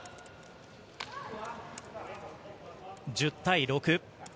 １０対６。